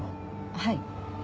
はい。